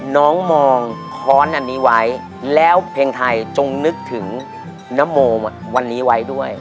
น้องมองค้อนอันนี้ไว้แล้วเพลงไทยจงนึกถึงนโมวันนี้ไว้ด้วย